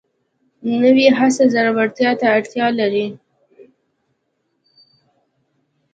نوې هڅه زړورتیا ته اړتیا لري